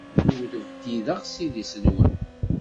Ur bdideɣ s idis-nwen.